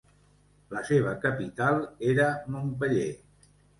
La seva capital era Montpeller.